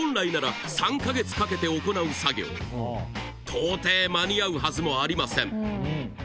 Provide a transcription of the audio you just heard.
到底間に合うはずもありません